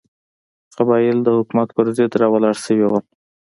قبایل د حکومت پر ضد راولاړ شوي وو.